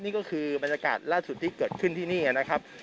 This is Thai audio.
นี่ก็คือบรรยากาศล่าสุดที่เกิดขึ้นที่นี่นะครับ